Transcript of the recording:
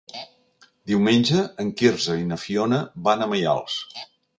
Diumenge en Quirze i na Fiona van a Maials.